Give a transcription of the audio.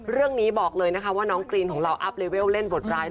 เรื่องนี้บอกเลยนะคะว่าน้องกรีนของเราอัพเลเวลเล่นบทร้าย